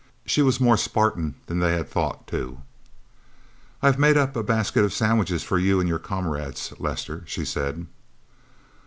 She was more Spartan than they had thought, too. "I have made up a basket of sandwiches for you and your comrades, Lester," she said.